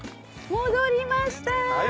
戻りました！